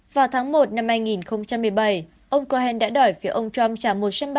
vào tháng một năm hai nghìn một mươi bảy ông cohen đã đòi phía ông trump